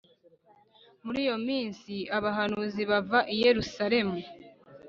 Muri iyo minsi abahanuzi bava i Yerusalemu